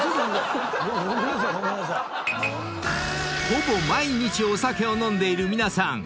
［ほぼ毎日お酒を飲んでいる皆さん］